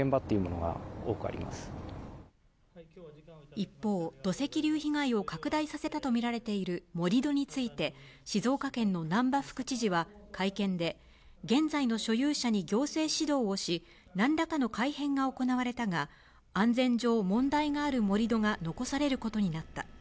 一方、土石流被害を拡大させたとみられている盛り土について静岡県の難波副知事は会見で、現在の所有者に行政指導をし何らかの改変が行われたが、安全上、問題がある盛り土が残されることになった。